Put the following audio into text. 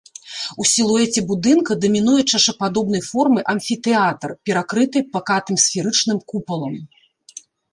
У сілуэце будынка дамінуе чашападобнай формы амфітэатр, перакрыты пакатым сферычным купалам.